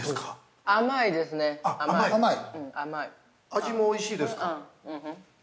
◆味もおいしいですか？